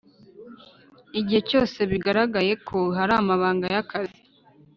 Igihe cyose bigaragaye ko haramabanga ya kazi